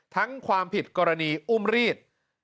ความผิดกรณีอุ้มรีด